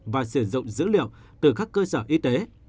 và sử dụng dữ liệu từ các cơ sở y tế